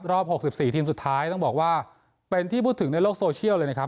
๖๔ทีมสุดท้ายต้องบอกว่าเป็นที่พูดถึงในโลกโซเชียลเลยนะครับ